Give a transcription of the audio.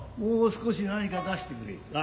もう少し何か出してくれい。